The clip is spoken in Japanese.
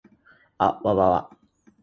あっわわわ